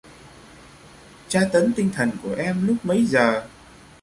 Tra tấn tinh thần của em lúc mấy giờ